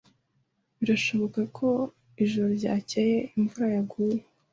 Birashoboka ko ijoro ryakeye imvura yaguye.